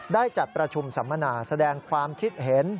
ได้จัดประชุมสัมมนาแสดงความคิดเห็น